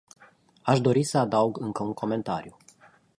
Aș dori să adaug încă un comentariu.